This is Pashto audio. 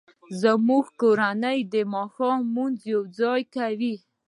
زموږ کورنۍ د ماښام لمونځ یوځای کوي